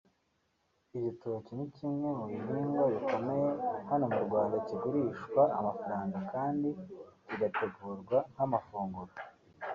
Igitoki ni kimwe mu bihingwa bikomeye hano mu Rwanda kigurishwa amafaranga kandi kigategurwa nk’amafunguro